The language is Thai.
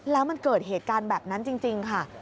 แล้วมันเกิดเหตุการณ์แบบนั้นจริงค่ะ